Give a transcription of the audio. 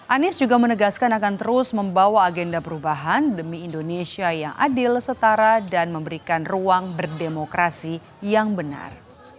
anies juga menegaskan akan terus membawa agenda perubahan demi indonesia yang adil setara dan memberikan ruang berdemokrasi yang benar